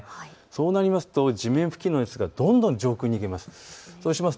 そうなりますと地面付近の熱がどんどん上空に逃げます。